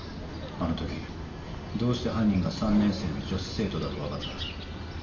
あの時どうして犯人が３年生の女子生徒だと分かった？